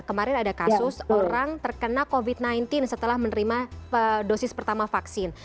kemarin ada kasus orang terkena covid sembilan belas setelah menerima dosis pertama vaksin